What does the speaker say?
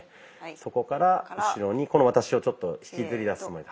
そこから後ろにこの私をちょっと引きずり出すつもりで。